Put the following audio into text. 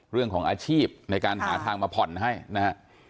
เรื่องของอาชีพในการหาทางมาผ่อนให้นะฮะ